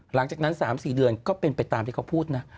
หลังจากนั้น๓๔เดือนก็เป็นไปตามที่เขาพูดนะ